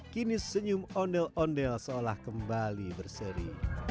kini senyum ondel ondel seolah kembali berseri